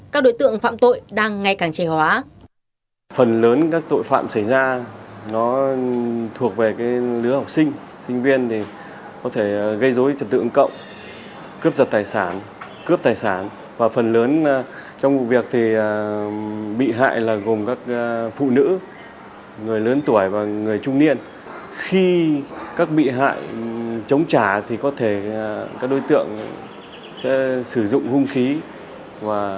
các đối tượng phạm tội đang ngày càng chế hóa